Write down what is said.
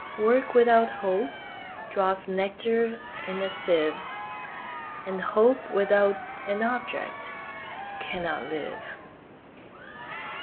Work without Hope draws nectar in a sieve, And Hope without an object cannot live.